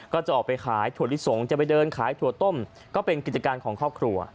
ก็จะออกไปขายถั่วลิสงจะไปเดินขายถั่วต้มก็เป็นกิจการของครอบครัว